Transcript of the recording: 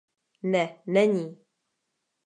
Ne, není!